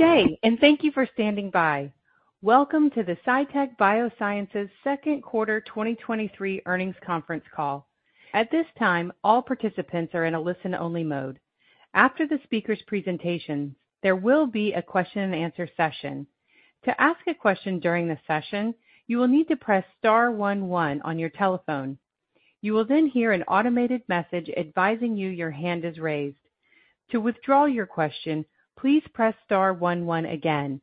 Good day, thank you for standing by. Welcome to the Cytek Biosciences second quarter 2023 earnings conference call. At this time, all participants are in a listen-only mode. After the speaker's presentation, there will be a question-and-answer session. To ask a question during the session, you will need to press star one one on your telephone. You will hear an automated message advising you your hand is raised. To withdraw your question, please press star one one again.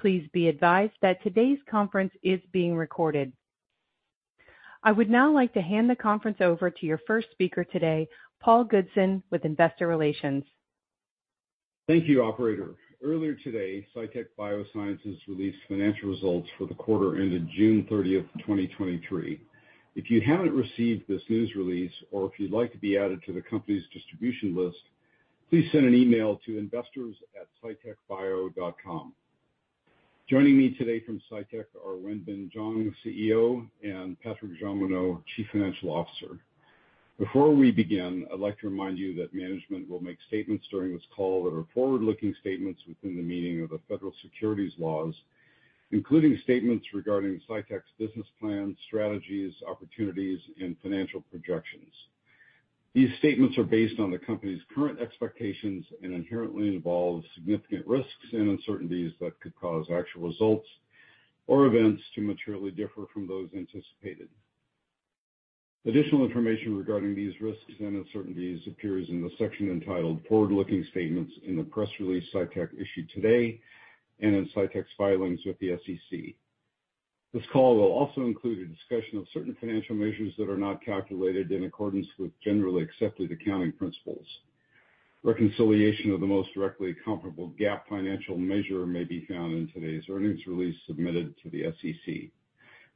Please be advised that today's conference is being recorded. I would now like to hand the conference over to your first speaker today, Paul Goodson, with Investor Relations. Thank you, operator. Earlier today, Cytek Biosciences released financial results for the quarter ended June 30th, 2023. If you haven't received this news release or if you'd like to be added to the company's distribution list, please send an email to investors@cytekbio.com. Joining me today from Cytek are Wenbin Jiang, CEO, and Patrik Jeanmonod, Chief Financial Officer. Before we begin, I'd like to remind you that management will make statements during this call that are forward-looking statements within the meaning of the Federal securities laws, including statements regarding Cytek's business plan, strategies, opportunities, and financial projections. These statements are based on the company's current expectations and inherently involve significant risks and uncertainties that could cause actual results or events to materially differ from those anticipated. Additional information regarding these risks and uncertainties appears in the section entitled Forward-Looking Statements in the press release Cytek issued today and in Cytek's filings with the SEC. This call will also include a discussion of certain financial measures that are not calculated in accordance with generally accepted accounting principles. Reconciliation of the most directly comparable GAAP financial measure may be found in today's earnings release submitted to the SEC.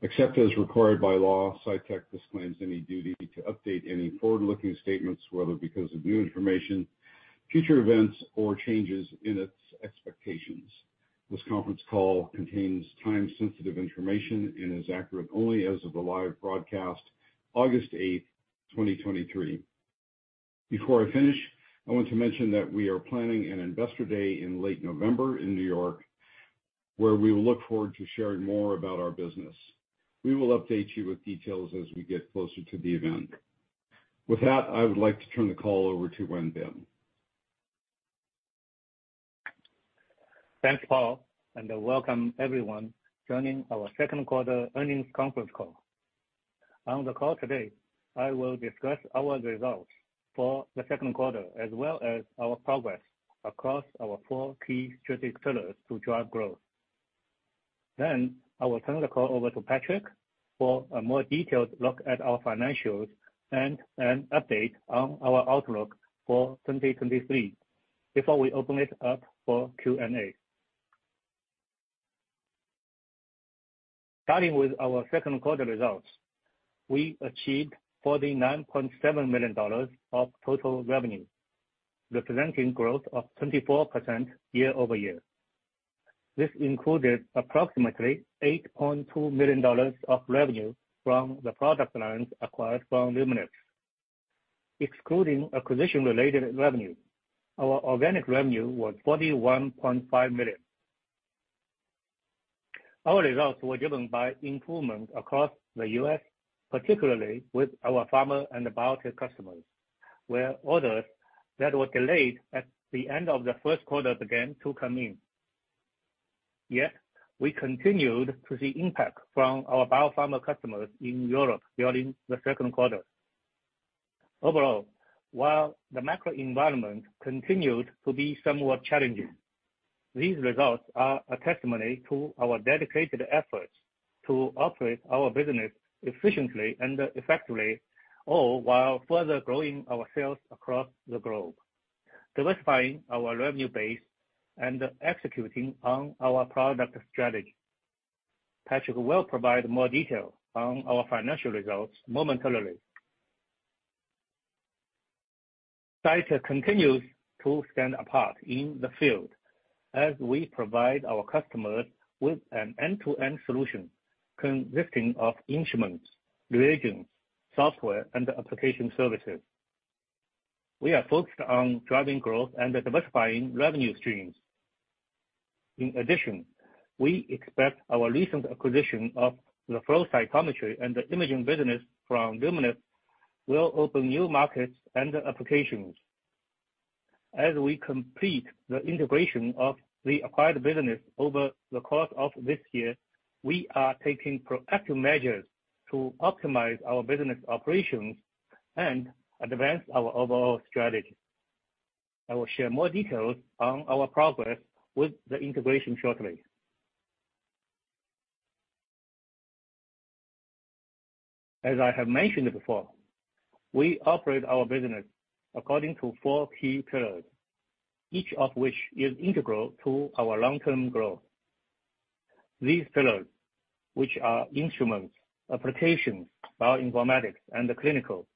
Except as required by law, Cytek disclaims any duty to update any forward-looking statements, whether because of new information, future events, or changes in its expectations. This conference call contains time-sensitive information and is accurate only as of the live broadcast, August 8th, 2023. Before I finish, I want to mention that we are planning an investor day in late November in New York, where we will look forward to sharing more about our business. We will update you with details as we get closer to the event. With that, I would like to turn the call over to Wenbin. Thanks, Paul, and welcome everyone joining our second quarter earnings conference call. On the call today, I will discuss our results for the second quarter as well as our progress across our four key strategic pillars to drive growth. I will turn the call over to Patrik for a more detailed look at our financials and an update on our outlook for 2023 before we open it up for Q&A. Starting with our second quarter results, we achieved $49.7 million of total revenue, representing growth of 24% year-over-year. This included approximately $8.2 million of revenue from the product lines acquired from Luminex. Excluding acquisition-related revenue, our organic revenue was $41.5 million. Our results were driven by improvement across the U.S., particularly with our pharma and biotech customers, where orders that were delayed at the end of the first quarter began to come in. Yet, we continued to see impact from our biopharma customers in Europe during the second quarter. Overall, while the macro environment continued to be somewhat challenging, these results are a testimony to our dedicated efforts to operate our business efficiently and effectively, all while further growing our sales across the globe, diversifying our revenue base, and executing on our product strategy. Patrick will provide more detail on our financial results momentarily. Cytek continues to stand apart in the field as we provide our customers with an end-to-end solution consisting of instruments, reagents, software, and application services. We are focused on driving growth and diversifying revenue streams. In addition, we expect our recent acquisition of the flow cytometry and the imaging business from Luminex will open new markets and applications. As we complete the integration of the acquired business over the course of this year, we are taking proactive measures to optimize our business operations and advance our overall strategy. I will share more details on our progress with the integration shortly. As I have mentioned before, we operate our business according to four key pillars, each of which is integral to our long-term growth. These pillars, which are instruments, applications, bioinformatics, and clinical,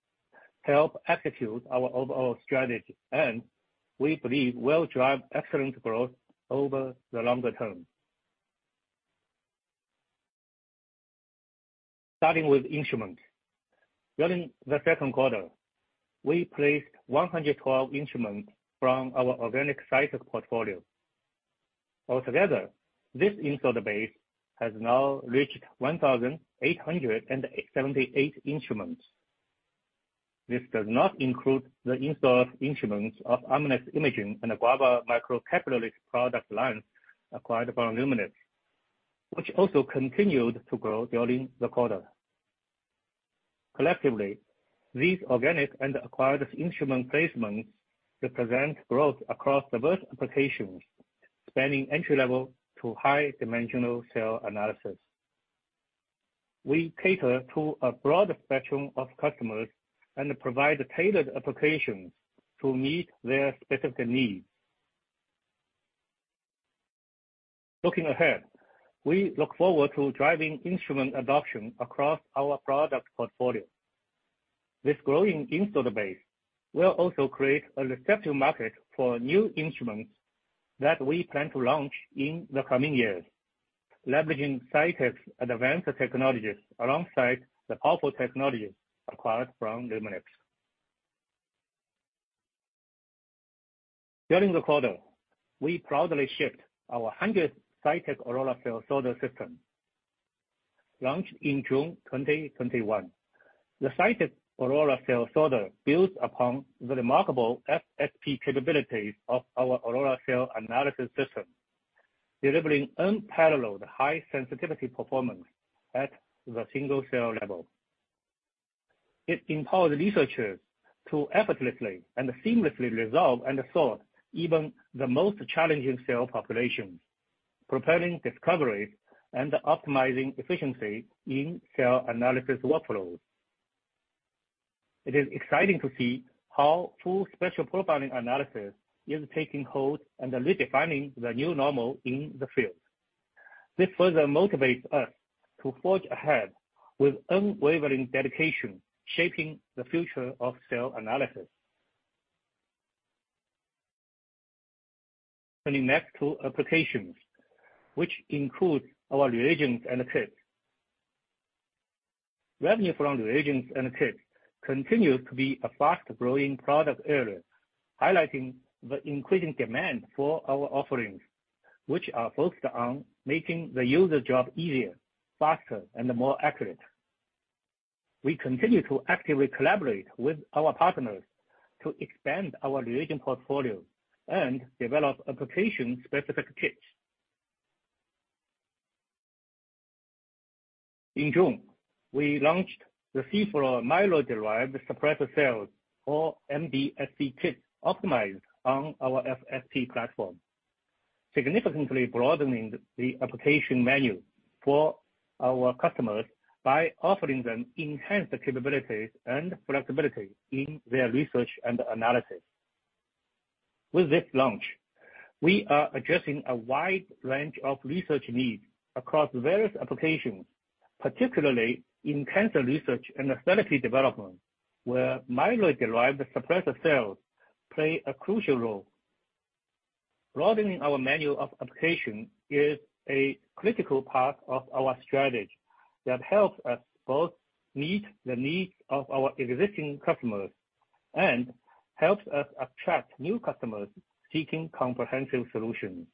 help execute our overall strategy and we believe will drive excellent growth over the longer term. Starting with instruments. During the second quarter, we placed 112 instruments from our organic Cytek portfolio. Altogether, this installed base has now reached 1,878 instruments. This does not include the installed instruments of Amnis Imaging and the Guava microcapillary product lines acquired from Luminex, which also continued to grow during the quarter. Collectively, these organic and acquired instrument placements represent growth across diverse applications, spanning entry level to high dimensional cell analysis. We cater to a broad spectrum of customers and provide tailored applications to meet their specific needs. Looking ahead, we look forward to driving instrument adoption across our product portfolio. This growing installed base will also create a receptive market for new instruments that we plan to launch in the coming years, leveraging Cytek's advanced technologies alongside the powerful technologies acquired from Luminex. During the quarter, we proudly shipped our hundredth Cytek Aurora Cell Sorter system. Launched in June 2021, the Cytek Aurora Cell Sorter builds upon the remarkable FSP capabilities of our Aurora Cell Analysis system, delivering unparalleled high sensitivity performance at the single cell level. It empowers researchers to effortlessly and seamlessly resolve and sort even the most challenging cell populations, propelling discoveries and optimizing efficiency in cell analysis workflows. It is exciting to see how Full Spectrum Profiling analysis is taking hold and redefining the new normal in the field. This further motivates us to forge ahead with unwavering dedication, shaping the future of cell analysis. Moving next to applications, which include our reagents and kits. Revenue from reagents and kits continues to be a fast-growing product area, highlighting the increasing demand for our offerings, which are focused on making the user job easier, faster, and more accurate. We continue to actively collaborate with our partners to expand our reagent portfolio and develop application-specific kits. In June, we launched the cFluor Myeloid-Derived Suppressor Cells, or MDSC Kit, optimized on our FSP platform, significantly broadening the application menu for our customers by offering them enhanced capabilities and flexibility in their research and analysis. With this launch, we are addressing a wide range of research needs across various applications, particularly in cancer research and therapy development, where Myeloid-Derived Suppressor Cells play a crucial role. Broadening our menu of application is a critical part of our strategy that helps us both meet the needs of our existing customers and helps us attract new customers seeking comprehensive solutions.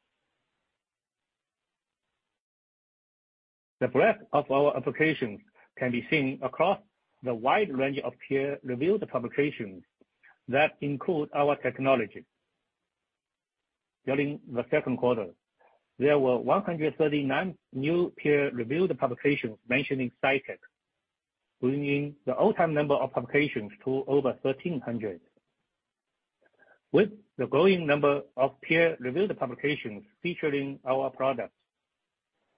The breadth of our applications can be seen across the wide range of peer-reviewed publications that include our technology. During the second quarter, there were 139 new peer-reviewed publications mentioning Cytek, bringing the all-time number of publications to over 1,300. With the growing number of peer-reviewed publications featuring our products,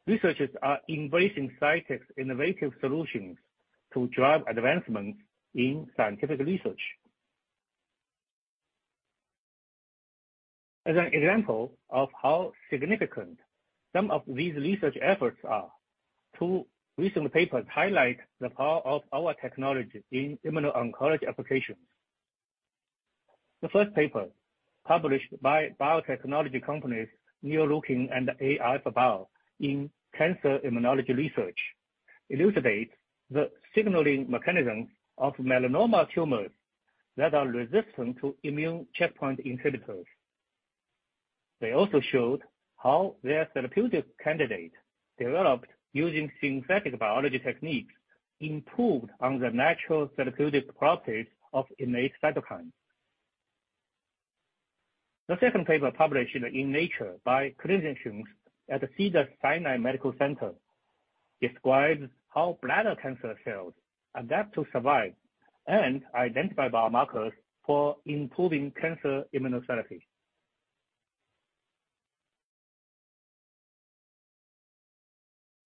researchers are embracing Cytek's innovative solutions to drive advancements in scientific research. As an example of how significant some of these research efforts are, 2 recent papers highlight the power of our technology in immuno-oncology applications. The first paper, published by biotechnology companies, Neoleukin and A-Alpha Bio in cancer immunology research, elucidates the signaling mechanisms of melanoma tumors that are resistant to immune checkpoint inhibitors. They also showed how their therapeutic candidate, developed using synthetic biology techniques, improved on the natural therapeutic properties of innate cytokines. The second paper, published in Nature by clinicians at the Cedars-Sinai Medical Center, describes how bladder cancer cells adapt to survive and identify biomarkers for improving cancer immunotherapy.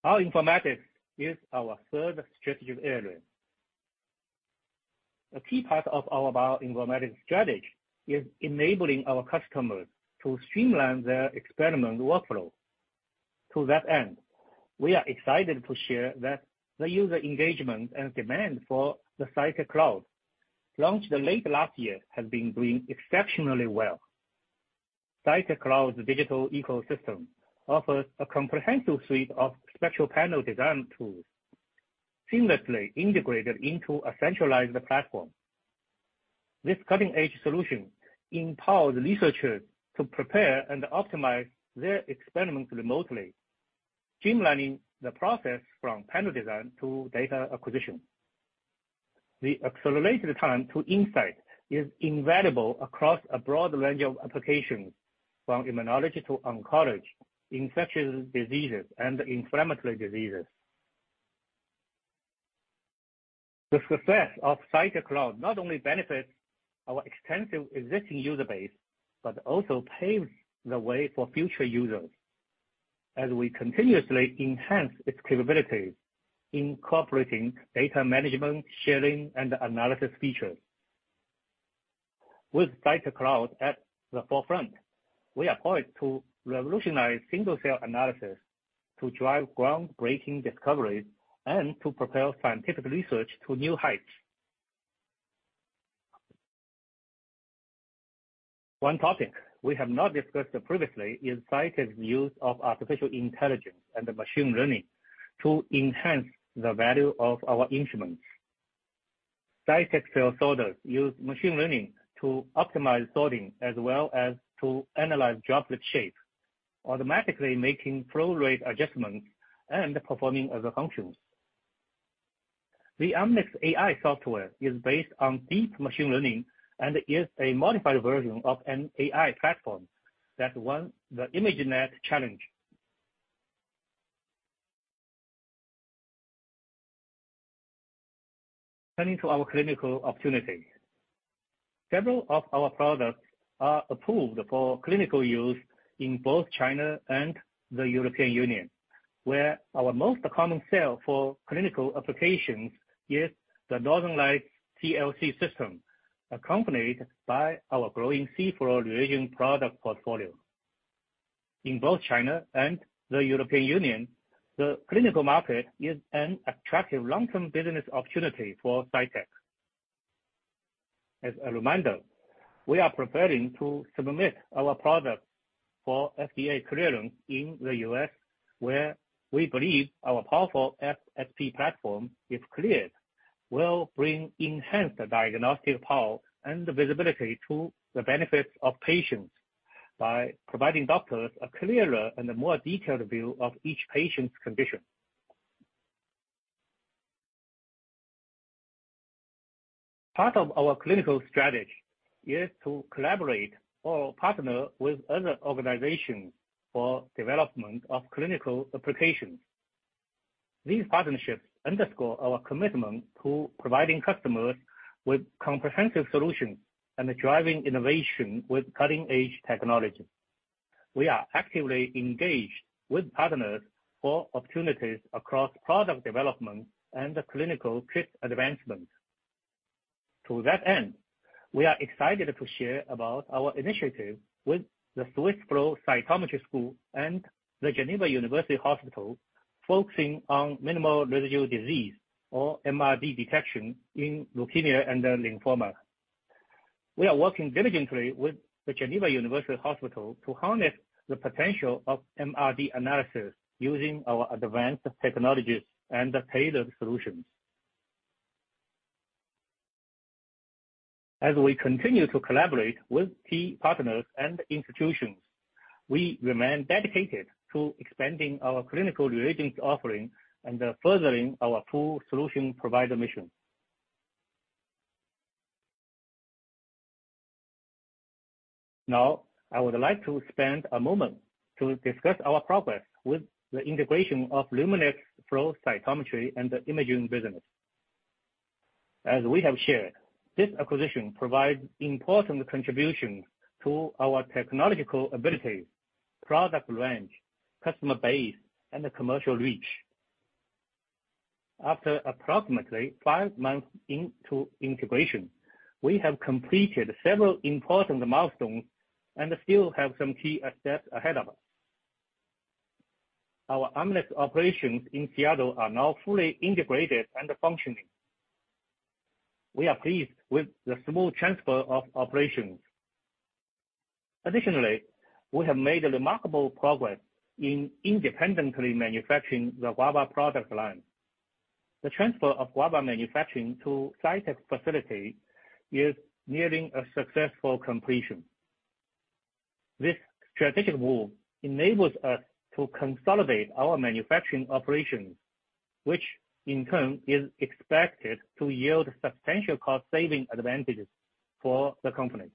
Bioinformatics is our third strategic area. A key part of our bioinformatics strategy is enabling our customers to streamline their experiment workflow. To that end, we are excited to share that the user engagement and demand for the Cytek Cloud, launched late last year, has been doing exceptionally well. Cytek Cloud's digital ecosystem offers a comprehensive suite of spectral panel design tools, seamlessly integrated into a centralized platform. This cutting-edge solution empowers researchers to prepare and optimize their experiments remotely, streamlining the process from panel design to data acquisition. The accelerated time to insight is invaluable across a broad range of applications, from immunology to oncology, infectious diseases, and inflammatory diseases. The success of Cytek Cloud not only benefits our extensive existing user base, but also paves the way for future users as we continuously enhance its capabilities, incorporating data management, sharing, and analysis features. With Cytek Cloud at the forefront, we are poised to revolutionize single-cell analysis, to drive groundbreaking discoveries, and to propel scientific research to new heights. One topic we have not discussed previously is Cytek's use of artificial intelligence and machine learning to enhance the value of our instruments. Cytek cell sorters use machine learning to optimize sorting, as well as to analyze droplet shape, automatically making flow rate adjustments and performing other functions. The Amnis AI software is based on deep machine learning and is a modified version of an AI platform that won the ImageNet Challenge. Turning to our clinical opportunities. Several of our products are approved for clinical use in both China and the European Union, where our most common sale for clinical applications is the Northern Light CLC system, accompanied by our growing cFluor reagent product portfolio. In both China and the European Union, the clinical market is an attractive long-term business opportunity for Cytek. As a reminder, we are preparing to submit our product for FDA clearance in the US, where we believe our powerful FSP platform, if cleared, will bring enhanced diagnostic power and visibility to the benefits of patients by providing doctors a clearer and a more detailed view of each patient's condition. Part of our clinical strategy is to collaborate or partner with other organizations for development of clinical applications. These partnerships underscore our commitment to providing customers with comprehensive solutions and driving innovation with cutting-edge technology. We are actively engaged with partners for opportunities across product development and clinical risk advancement. To that end, we are excited to share about our initiative with the Swiss Flow Cytometry School and the Geneva University Hospital, focusing on minimal residual disease, or MRD detection, in leukemia and lymphoma. We are working diligently with the Geneva University Hospital to harness the potential of MRD analysis using our advanced technologies and tailored solutions. As we continue to collaborate with key partners and institutions, we remain dedicated to expanding our clinical reagent offering and furthering our full solution provider mission. Now, I would like to spend a moment to discuss our progress with the integration of Luminex flow cytometry and the imaging business. As we have shared, this acquisition provides important contributions to our technological abilities, product range, customer base, and commercial reach. After approximately 5 months into integration, we have completed several important milestones and still have some key steps ahead of us. Our Amnis operations in Seattle are now fully integrated and functioning. We are pleased with the smooth transfer of operations. Additionally, we have made remarkable progress in independently manufacturing the Guava product line. The transfer of Guava manufacturing to Cytek's facility is nearing a successful completion. This strategic move enables us to consolidate our manufacturing operations, which in turn is expected to yield substantial cost-saving advantages for the company,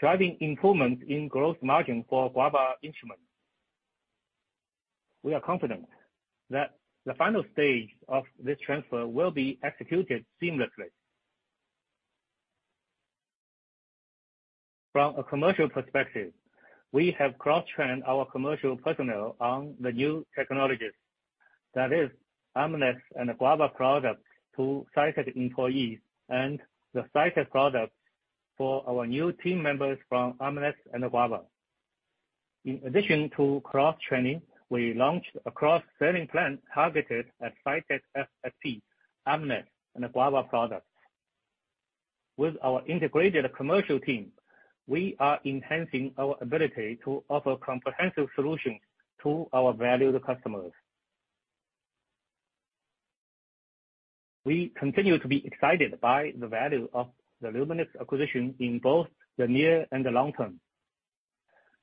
driving improvement in growth margin for Guava Instruments. We are confident that the final stage of this transfer will be executed seamlessly. From a commercial perspective, we have cross-trained our commercial personnel on the new technologies, that is, Amnis and Guava products to Cytek employees and the Cytek products for our new team members from Amnis and Guava. In addition to cross-training, we launched a cross-selling plan targeted at Cytek FSP, Amnis and Guava products. With our integrated commercial team, we are enhancing our ability to offer comprehensive solutions to our valued customers. We continue to be excited by the value of the Luminex acquisition in both the near and the long term.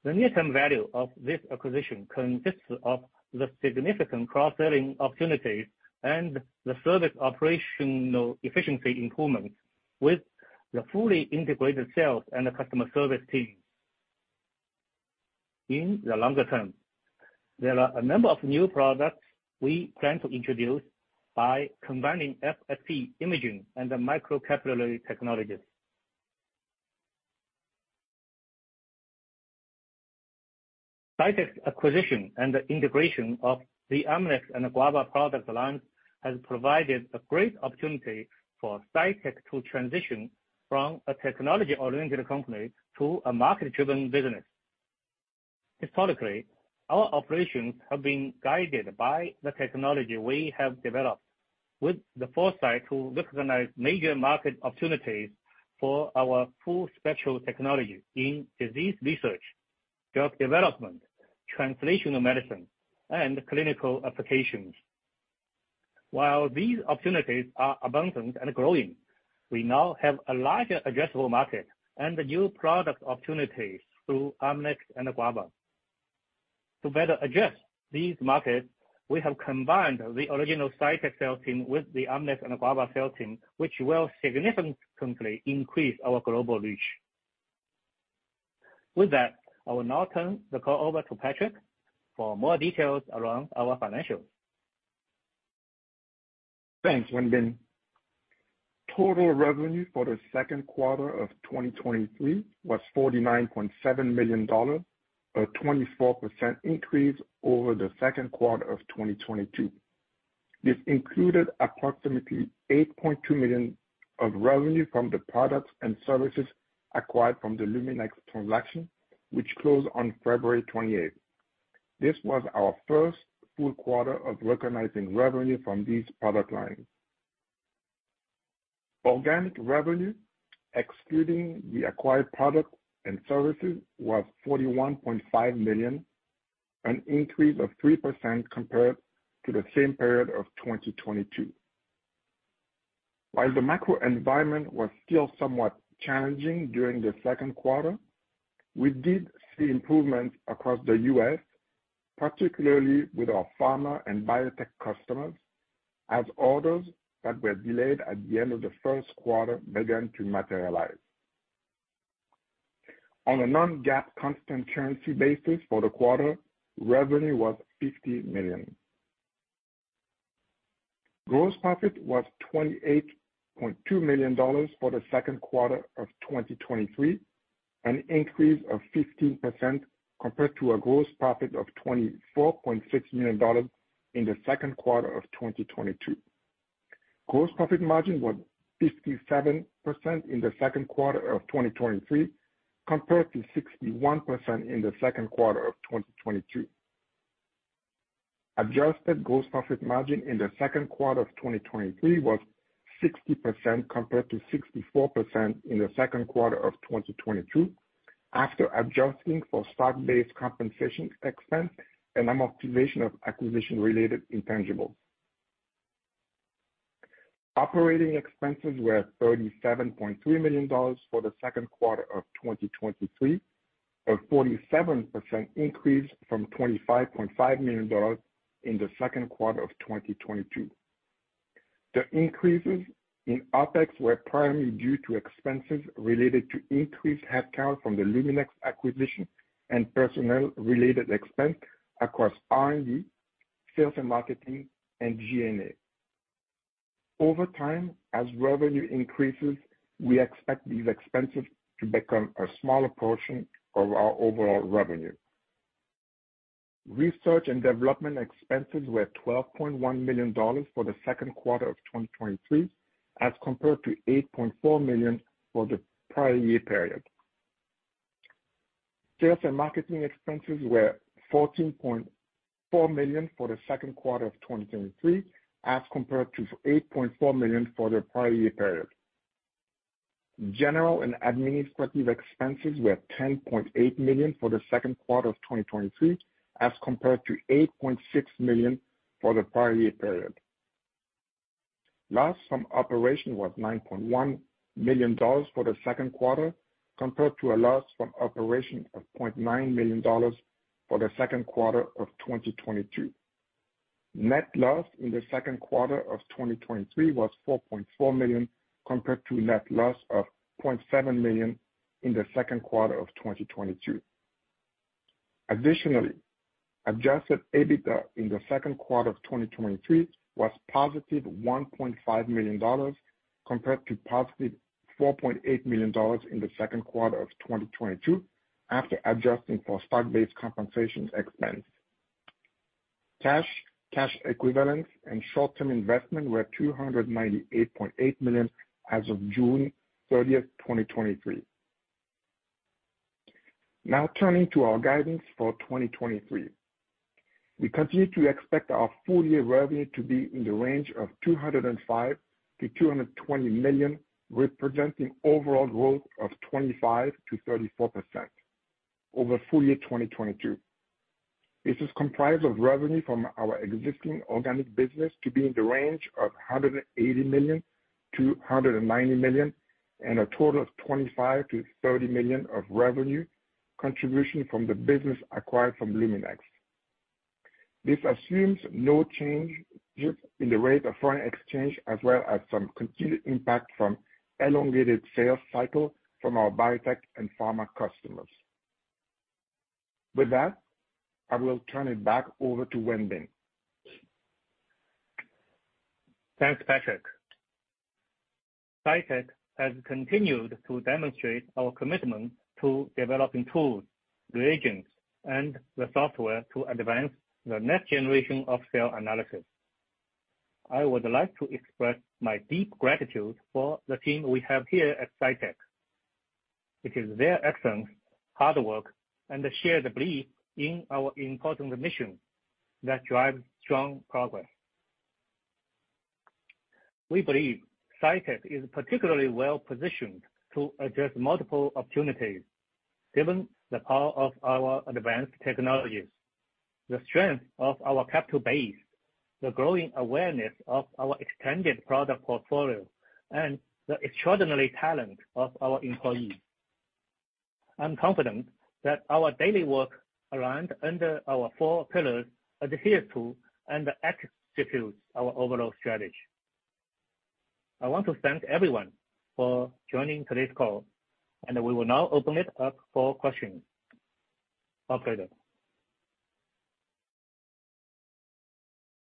The near-term value of this acquisition consists of the significant cross-selling opportunities and the service operational efficiency improvements with the fully integrated sales and the customer service team. In the longer term, there are a number of new products we plan to introduce by combining FSP imaging and the microcapillary technologies. Cytek acquisition and the integration of the Amnis and Guava product lines has provided a great opportunity for Cytek to transition from a technology-oriented company to a market-driven business. Historically, our operations have been guided by the technology we have developed, with the foresight to recognize major market opportunities for our full spectral technology in disease research, drug development, translational medicine, and clinical applications. While these opportunities are abundant and growing, we now have a larger addressable market and the new product opportunities through Amnis and Guava. To better address these markets, we have combined the original Cytek sales team with the Amnis and Guava sales team, which will significantly increase our global reach. With that, I will now turn the call over to Patrik for more details around our financials. Thanks, Wenbin. Total revenue for the second quarter of 2023 was $49.7 million, a 24% increase over the second quarter of 2022. This included approximately $8.2 million of revenue from the products and services acquired from the Luminex transaction, which closed on February 28th. This was our first full quarter of recognizing revenue from these product lines. Organic revenue, excluding the acquired products and services, was $41.5 million, an increase of 3% compared to the same period of 2022. While the macro environment was still somewhat challenging during the second quarter, we did see improvements across the U.S., particularly with our pharma and biotech customers, as orders that were delayed at the end of the first quarter began to materialize. On a non-GAAP constant currency basis for the quarter, revenue was $50 million. Gross profit was $28.2 million for the second quarter of 2023, an increase of 15% compared to a gross profit of $24.6 million in the second quarter of 2022. Gross profit margin was 57% in the second quarter of 2023, compared to 61% in the second quarter of 2022. Adjusted gross profit margin in the second quarter of 2023 was 60%, compared to 64% in the second quarter of 2022, after adjusting for stock-based compensation expense and amortization of acquisition-related intangibles. Operating expenses were $37.3 million for the second quarter of 2023, a 47% increase from $25.5 million in the second quarter of 2022. The increases in OpEx were primarily due to expenses related to increased headcount from the Luminex acquisition and personnel-related expense across R&D, sales and marketing, and G&A. Over time, as revenue increases, we expect these expenses to become a smaller portion of our overall revenue. Research and development expenses were $12.1 million for the second quarter of 2023, as compared to $8.4 million for the prior year period. Sales and marketing expenses were $14.4 million for the second quarter of 2023, as compared to $8.4 million for the prior year period. General and administrative expenses were $10.8 million for the second quarter of 2023, as compared to $8.6 million for the prior year period. Loss from operation was $9.1 million for the second quarter, compared to a loss from operation of $0.9 million for the second quarter of 2022. Net loss in the second quarter of 2023 was $4.4 million, compared to net loss of $0.7 million in the second quarter of 2022. Additionally, adjusted EBITDA in the second quarter of 2023 was +$1.5 million, compared to +$4.8 million in the second quarter of 2022, after adjusting for stock-based compensation expense. Cash, cash equivalents, and short-term investment were $298.8 million as of June 30th, 2023. Now, turning to our guidance for 2023. We continue to expect our full year revenue to be in the range of $205 million - $220 million, representing overall growth of 25% - 34%, over full-year 2022. This is comprised of revenue from our existing organic business to be in the range of $180 million - $190 million, and a total of $25 million - $30 million of revenue contribution from the business acquired from Luminex. This assumes no change in the rate of foreign exchange, as well as some continued impact from elongated sales cycle from our biotech and pharma customers. With that, I will turn it back over to Wenbin. Thanks, Patrick. Cytek has continued to demonstrate our commitment to developing tools, reagents, and the software to advance the next generation of cell analysis. I would like to express my deep gratitude for the team we have here at Cytek. It is their excellence, hard work, and the shared belief in our important mission that drives strong progress. We believe Cytek is particularly well-positioned to address multiple opportunities, given the power of our advanced technologies, the strength of our capital base, the growing awareness of our extended product portfolio, and the extraordinary talent of our employees. I'm confident that our daily work around under our four pillars adheres to and executes our overall strategy. I want to thank everyone for joining today's call. We will now open it up for questions. Operator?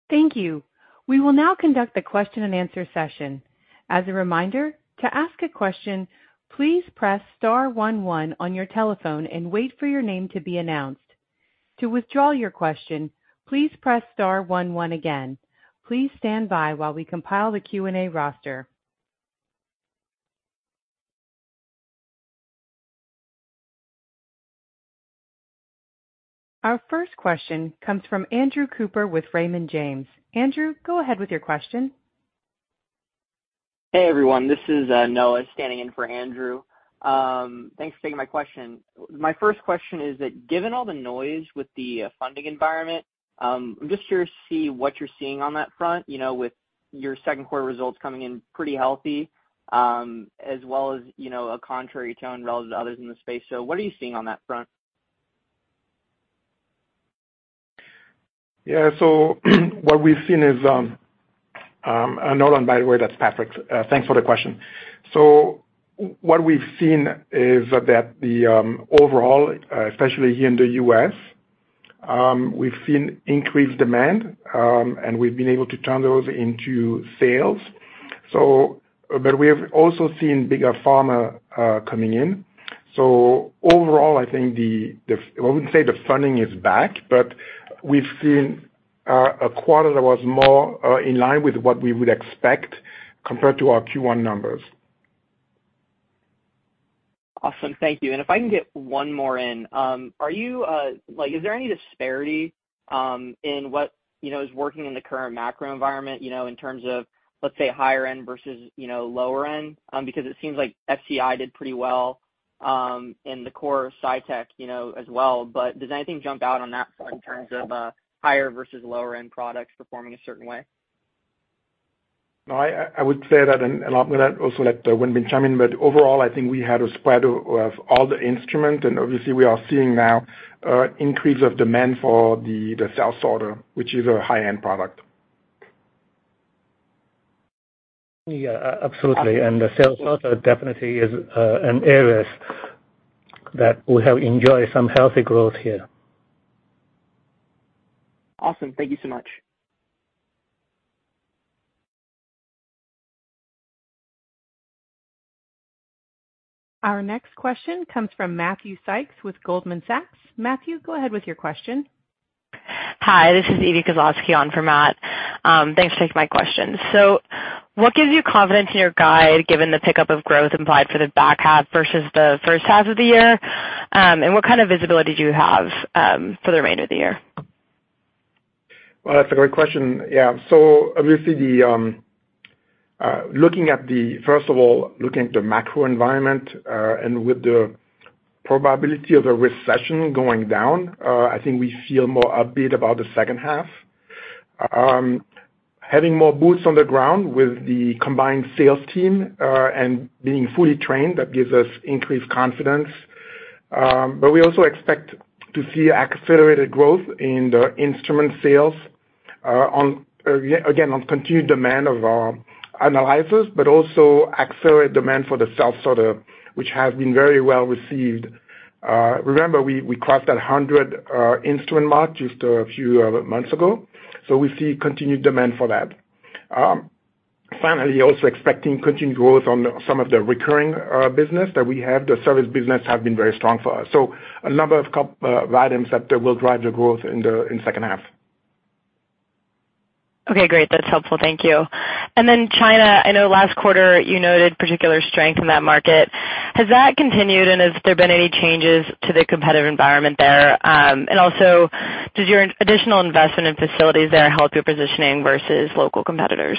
Thank you. We will now conduct a question-and-answer session. As a reminder, to ask a question, please press star one one on your telephone and wait for your name to be announced. To withdraw your question, please press star one one again. Please stand by while we compile the Q&A roster. Our first question comes from Andrew Cooper with Raymond James. Andrew, go ahead with your question. Hey, everyone, this is Noah standing in for Andrew. Thanks for taking my question. My first question is that, given all the noise with the funding environment, I'm just curious to see what you're seeing on that front, you know, with your second quarter results coming in pretty healthy, as well as, you know, a contrary tone relative to others in the space. What are you seeing on that front? Yeah, what we've seen is, Noah, and by the way, that's Patrik. Thanks for the question. What we've seen is that the overall, especially here in the U.S., we've seen increased demand, and we've been able to turn those into sales. Overall, I think the, I wouldn't say the funding is back, but we've seen a quarter that was more in line with what we would expect compared to our Q1 numbers. Awesome. Thank you. If I can get one more in. Are you, like, is there any disparity, in what, you know, is working in the current macro environment, you know, in terms of, let's say, higher end versus, you know, lower end? It seems like FCI did pretty well, and the core of Cytek, you know, as well. Does anything jump out on that front in terms of, higher versus lower end products performing a certain way? No, I would say that. I'm gonna also let Wenbin Jiang chime in, but overall, I think we had a spread of all the instruments. Obviously we are seeing now an increase of demand for the cell sorter, which is a high-end product. Yeah, absolutely, and the cell sorter definitely is, an areas that we have enjoyed some healthy growth here. Awesome. Thank you so much. Our next question comes from Matthew Sykes with Goldman Sachs. Matthew, go ahead with your question. Hi, this is Evie Kozlowski on for Matt. Thanks for taking my question. What gives you confidence in your guide, given the pickup of growth implied for the back half versus the first half of the year? What kind of visibility do you have for the remainder of the year? Well, that's a great question. Yeah. Obviously, first of all, looking at the macro environment, and with the probability of a recession going down, I think we feel more upbeat about the second half. Having more boots on the ground with the combined sales team, and being fully trained, that gives us increased confidence. We also expect to see accelerated growth in the instrument sales on again, on continued demand of our analyzers, but also accelerate demand for the cell sorter, which has been very well received. Remember, we, we crossed that 100 instrument mark just a few months ago, so we see continued demand for that. Finally, also expecting continued growth on some of the recurring business that we have. The service business have been very strong for us. A number of items that will drive the growth in the, in second half. Okay, great. That's helpful. Thank you. Then China, I know last quarter you noted particular strength in that market. Has that continued, and has there been any changes to the competitive environment there? Also, did your additional investment in facilities there help your positioning versus local competitors?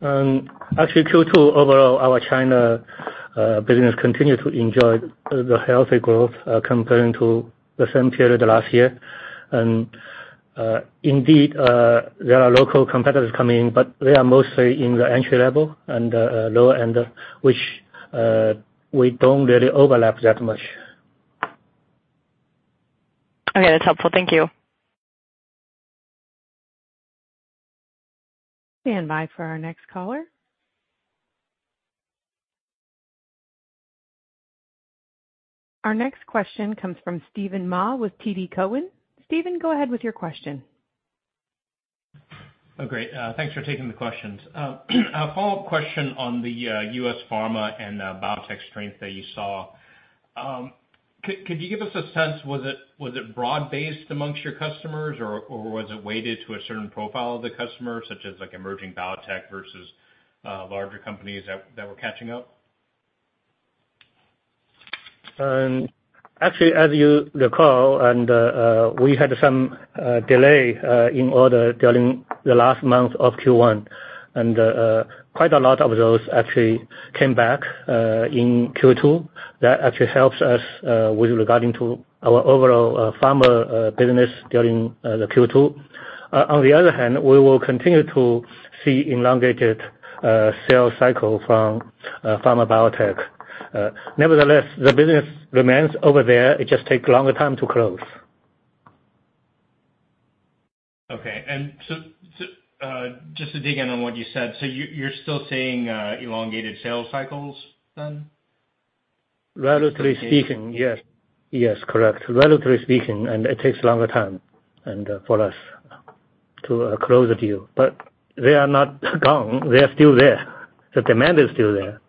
Actually, Q2, overall, our China business continued to enjoy the healthy growth, comparing to the same period last year. Indeed, there are local competitors coming in, but they are mostly in the entry level and lower end, which, we don't really overlap that much. Okay, that's helpful. Thank you. Stand by for our next caller. Our next question comes from Steven Mah with TD Cowen. Steven, go ahead with your question. Oh, great. Thanks for taking the questions. A follow-up question on the U.S. pharma and the biotech strength that you saw. Could you give us a sense, was it broad-based amongst your customers, or was it weighted to a certain profile of the customer, such as, like, emerging biotech versus larger companies that were catching up? Actually, as you recall, we had some delay in order during the last month of Q1, quite a lot of those actually came back in Q2. That actually helps us with regarding to our overall pharma business during the Q2. On the other hand, we will continue to see elongated sales cycle from pharma biotech. Nevertheless, the business remains over there. It just takes a longer time to close. Okay. So, just to dig in on what you said, so you're still seeing, elongated sales cycles then? Relatively speaking, yes. Yes, correct. Relatively speaking, it takes a longer time, for us to close a deal, but they are not gone. They are still there. The demand is still there.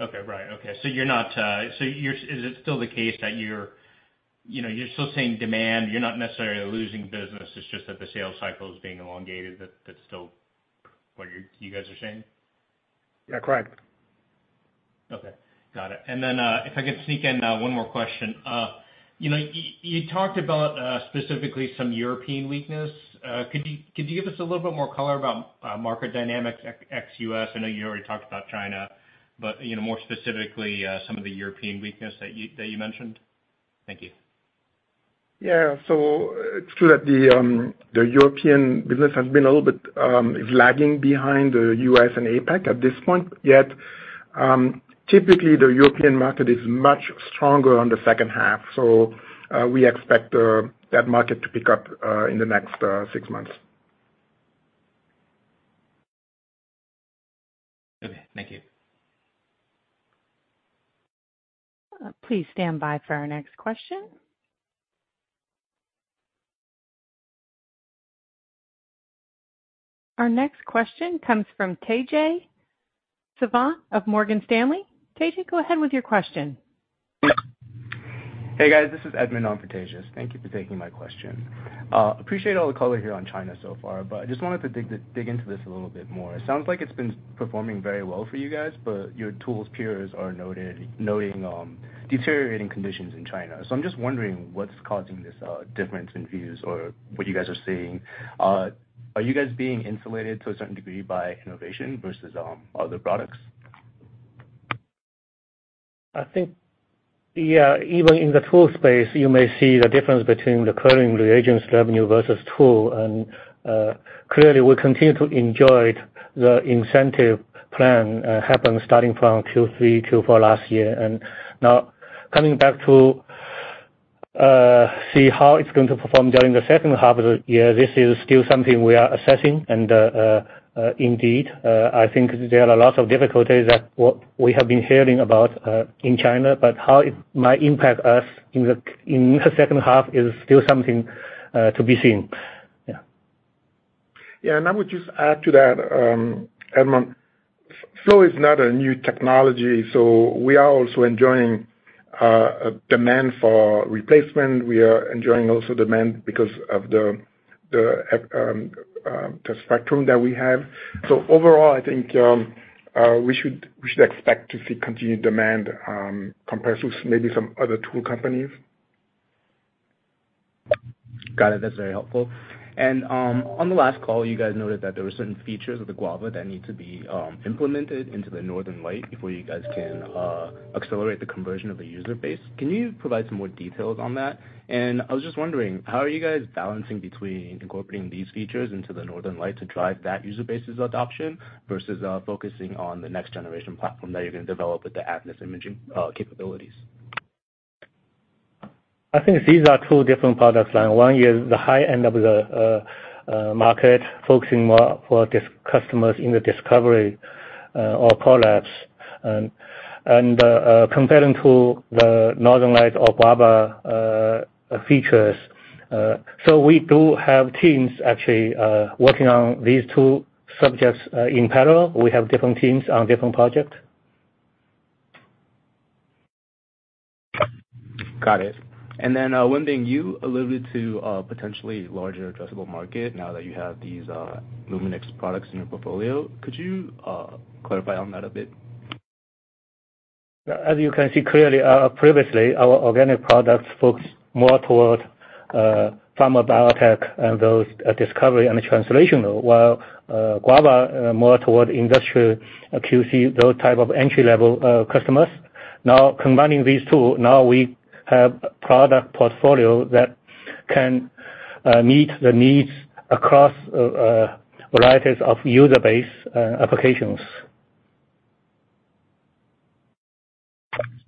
Okay. Right. Okay, so you're not, so you're... Is it still the case that you're, you know, you're still seeing demand, you're not necessarily losing business, it's just that the sales cycle is being elongated, that-that's still what you, you guys are seeing? Yeah, correct. Okay. Got it. If I could sneak in, one more question. You know, you talked about specifically some European weakness. Could you, could you give us a little bit more color about market dynamics ex-US? I know you already talked about China, but, you know, more specifically, some of the European weakness that you, that you mentioned. Thank you. Yeah. It's true that the European business has been a little bit lagging behind the U.S. and APAC at this point. Typically, the European market is much stronger on the second half, so we expect that market to pick up in the next six months. Okay, thank you. Please stand by for our next question. Our next question comes from Tejas Savant of Morgan Stanley. Tejas, go ahead with your question. Hey, guys, this is Edmund on for Tejas. Thank you for taking my question. Appreciate all the color here on China so far, but I just wanted to dig, dig into this a little bit more. It sounds like it's been performing very well for you guys, but your tools peers are noted, noting, deteriorating conditions in China. I'm just wondering what's causing this, difference in views or what you guys are seeing? Are you guys being insulated to a certain degree by innovation versus, other products? I think, yeah, even in the tool space, you may see the difference between the current reagents revenue versus tool, clearly, we continue to enjoy the incentive plan happen starting from Q3, Q4 last year. Now, coming back to see how it's going to perform during the second half of the year, this is still something we are assessing. Indeed, I think there are a lot of difficulties that, what we have been hearing about in China, but how it might impact us in the second half is still something to be seen. I would just add to that, Edmund, flow is not a new technology, so we are also enjoying demand for replacement. We are enjoying also demand because of the, the, the spectrum that we have. Overall, I think, we should, we should expect to see continued demand compared to maybe some other tool companies. Got it. That's very helpful. On the last call, you guys noted that there were certain features of the Guava that need to be implemented into the Northern Light before you guys can accelerate the conversion of the user base. Can you provide some more details on that? I was just wondering, how are you guys balancing between incorporating these features into the Northern Light to drive that user base's adoption versus focusing on the next generation platform that you're going to develop with the Atlas imaging capabilities? I think these are two different products line. One is the high end of the market, focusing more for customers in the discovery, or collapse. Comparing to the Northern Light or Guava, features, so we do have teams actually working on these two subjects in parallel. We have different teams on different project. Got it. Then, one thing, you alluded to a potentially larger addressable market now that you have these, Luminex products in your portfolio. Could you, clarify on that a bit? As you can see clearly, previously, our organic products focused more toward pharma, biotech, and those discovery and translation, while Guava, more toward industrial QC, those type of entry-level customers. Combining these two, now we have product portfolio that can meet the needs across varieties of user base, applications.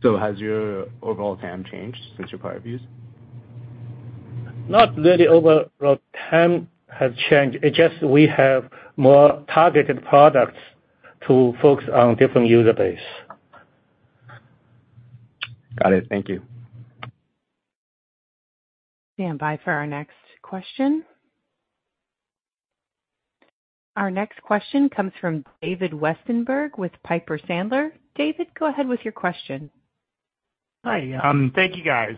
Has your overall TAM changed since your prior views? Not really overall TAM has changed, it's just we have more targeted products to focus on different user base. Got it. Thank you. Stand by for our next question. Our next question comes from David Westenberg with Piper Sandler. David, go ahead with your question. Hi, thank you, guys.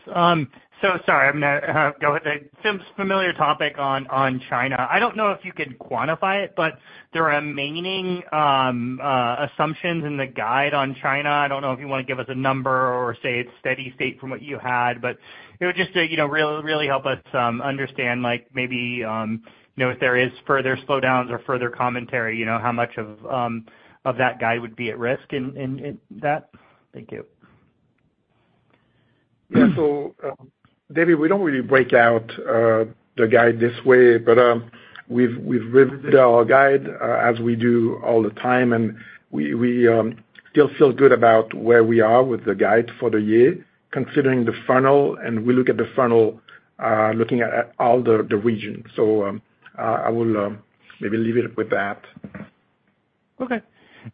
Sorry, I'm gonna go with a familiar topic on China. I don't know if you could quantify it, but the remaining assumptions in the guide on China, I don't know if you want to give us a number or say it's steady state from what you had, but it would just, you know, really, really help us understand, like maybe, you know, if there is further slowdowns or further commentary, you know, how much of that guide would be at risk in that? Thank you. Yeah. David, we don't really break out the guide this way, but we've, we've revised our guide as we do all the time, and we, we still feel good about where we are with the guide for the year, considering the funnel, and we look at the funnel looking at all the regions. I will maybe leave it with that. Okay.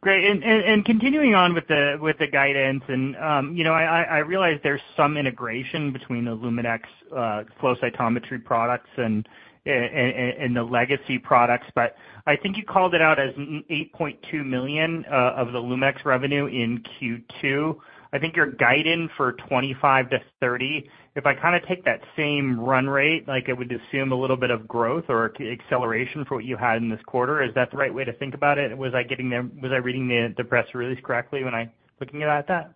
Great. And, and continuing on with the, with the guidance, and, you know, I, I, I realize there's some integration between the Luminex flow cytometry products and, and the legacy products, but I think you called it out as $8.2 million of the Luminex revenue in Q2. I think you're guiding for $25 million-$30 million. If I kinda take that same run rate, like I would assume a little bit of growth or acceleration for what you had in this quarter, is that the right way to think about it? Was I reading the press release correctly when I looking at it at that?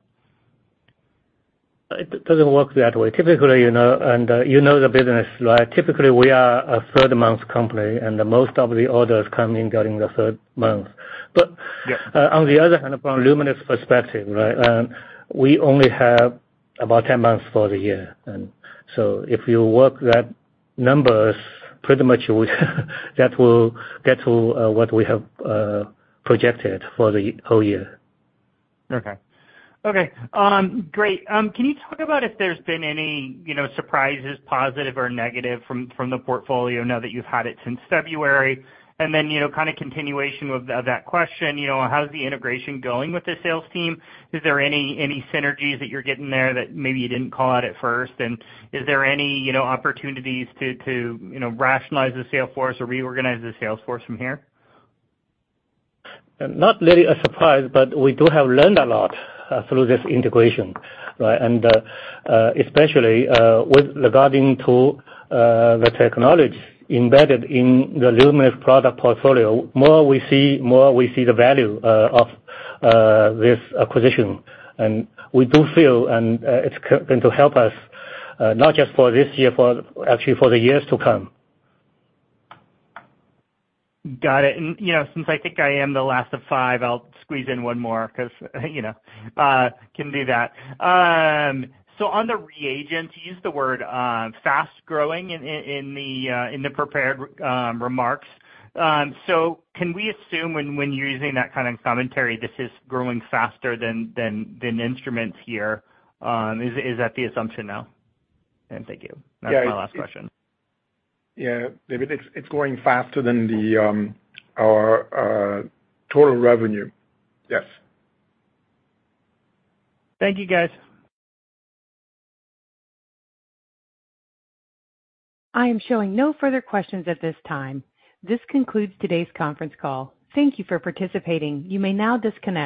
It doesn't work that way. Typically, you know, and you know, the business, right? Typically, we are a third-month company, and the most of the orders come in during the third month. Yes. On the other hand, from a Luminex perspective, right, we only have about 10 months for the year, and so if you work that numbers, pretty much that will get to what we have projected for the whole year. Okay. Okay, great. Can you talk about if there's been any, you know, surprises, positive or negative, from the portfolio now that you've had it since February? You know, kind of continuation of that question, you know, how's the integration going with the sales team? Is there any, any synergies that you're getting there that maybe you didn't call out at first? Is there any, you know, opportunities to, to, you know, rationalize the sales force or reorganize the sales force from here? Not really a surprise, but we do have learned a lot through this integration, right? Especially with regarding to the technology embedded in the Luminex product portfolio, more we see the value of this acquisition. We do feel, and it's going to help us not just for this year, for actually for the years to come. Got it. You know, since I think I am the last of five, I'll squeeze in one more, 'cause, you know, can do that. On the reagents, you used the word fast growing in, in, in the in the prepared remarks. Can we assume when, when you're using that kind of commentary, this is growing faster than, than, than instruments here? Is, is that the assumption now? Thank you. Yeah. That's my last question. Yeah, David, it's, it's growing faster than the, our, total revenue. Yes. Thank you, guys. I am showing no further questions at this time. This concludes today's conference call. Thank you for participating. You may now disconnect.